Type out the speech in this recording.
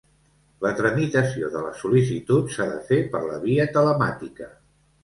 La tramitació de les sol·licituds s'ha de fer per la via telemàtica.